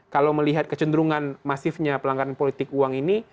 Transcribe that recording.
kalau melihat kecenderungan masifnya pelanggaran politik uang ini